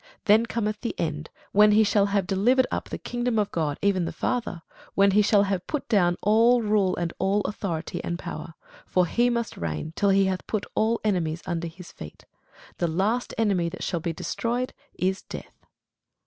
Then cometh the end, when he shall have delivered up the kingdom to God, even the Father; when he shall have put down all rule and all authority and power. For he must reign, till he hath put all enemies under his feet. The last enemy that shall be destroyed is death.